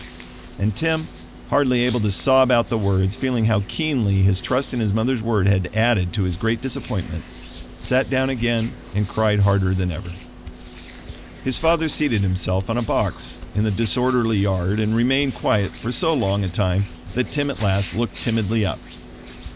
And Tim, hardly able to sob out the words, feeling how keenly his trust in mother's word had added to his great disappointment, sat down again, and cried harder than ever. His father seated himself on a box in the disorderly yard and remained quiet for so long a time that Tim at last looked timidly up.